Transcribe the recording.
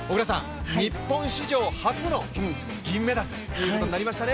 日本史上初の銀メダルということになりましたね。